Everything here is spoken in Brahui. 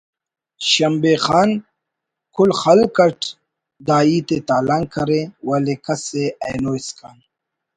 شمبے خان کل خلق اٹ دا ہیت ءِ تالان کرے ولے کس ءِ اینو اسکان